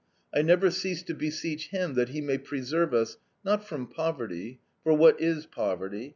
I never cease to beseech Him that He may preserve us, not from poverty (for what is poverty?)